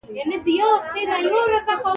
هغه تازه له پولې اوختی و.